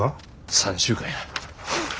３週間や。